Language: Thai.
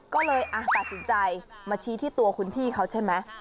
ก็เลยตัดสินใจมาชี้ที่ตัวคุณพี่เขาใช่ไหม